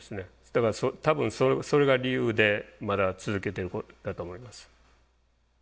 だから多分それが理由でまだ続けてることだと思います。